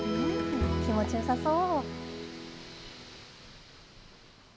気持ちよさそう。